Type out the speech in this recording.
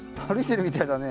あしみたいだね